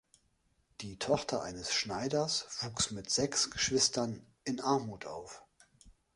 Die Tochter eines Schneiders wuchs mit sechs Geschwistern in Armut auf.